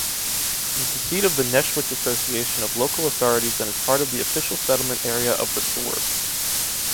It is the seat of the Neschwitz association of local authorities and is part of the official settlement area of the Sorbs.